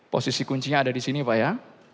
posisi kuncinya ada di sini pak ya